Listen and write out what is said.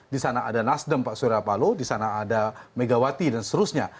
di sana ada nasdem pak surya paloh di sana ada megawati dan seterusnya